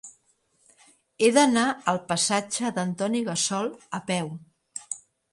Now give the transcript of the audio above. He d'anar al passatge d'Antoni Gassol a peu.